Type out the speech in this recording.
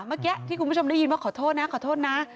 เมื่อกี้ที่คุณผู้ชมได้ยินว่าขอโทษนะขอโทษนะ